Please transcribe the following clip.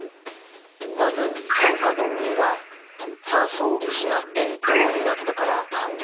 まず酸化銅は酸素を失って銅になったから還元された。